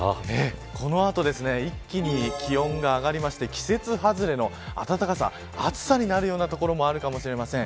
このあと一気に気温が上がりまして季節外れの暖かさ暑さになるような所もあるかもしれません。